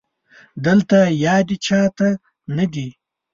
دلته يادې چا ته نه دي